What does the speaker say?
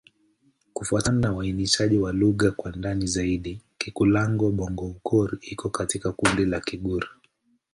Kufuatana na uainishaji wa lugha kwa ndani zaidi, Kikulango-Bondoukou iko katika kundi la Kigur.